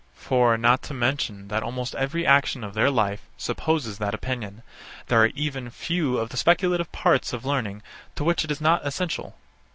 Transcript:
For, not to mention that almost every action of their life supposes that opinion, there are even few of the speculative parts of learning to which it is not essential.